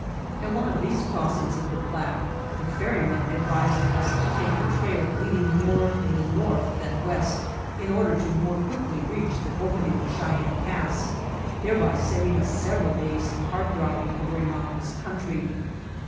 At one of these crossings of the Platte the ferry man advised us to take the trail leading more to the LOST CATTLE RESTORED 69 north than west, in order to more quickly reach the opening of Cheyenne Pass, thereby saving us several days' hard driving over a mountainous country.